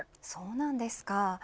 そうなんですか。